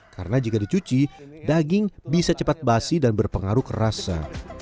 karena jika dicuci daging bisa cepat basi dan berpengaruh kerasa